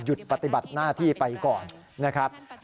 ปฏิบัติหน้าที่ไปก่อนนะครับ